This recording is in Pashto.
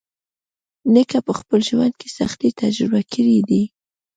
نیکه په خپل ژوند کې سختۍ تجربه کړې دي.